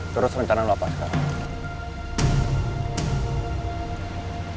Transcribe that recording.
terus rencana lo apa sekarang